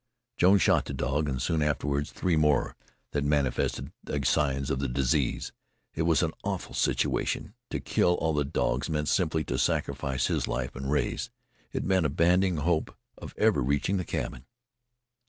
Jones shot the dog, and soon afterward three more that manifested signs of the disease. It was an awful situation. To kill all the dogs meant simply to sacrifice his life and Rea's; it meant abandoning hope of ever reaching the cabin.